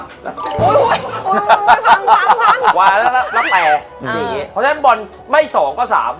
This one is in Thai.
เพราะฉะนั้นบอลไม่๒ก็๓